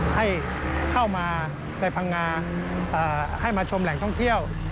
ให้เข้ามาในพังงาให้มาชมแหล่งท่องเที่ยว